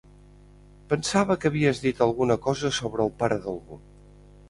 Pensava que havies dit alguna cosa sobre el pare d'algú.